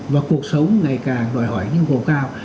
và cuộc sống ngày càng đòi hỏi nhu cầu cao